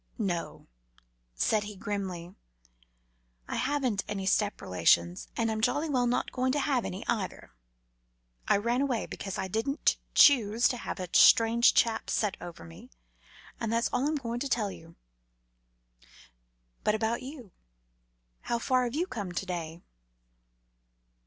"No," said he grimly; "I haven't any step relations, and I'm jolly well not going to have any, either. I ran away because I didn't choose to have a strange chap set over me, and that's all I am going to tell you. But about you? How far have you come to day?"